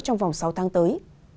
trong vòng sáu tháng tới